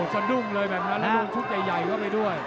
สะดุ้งเลยแบบนั้นแล้วนุ่งชุดใหญ่เข้าไปด้วย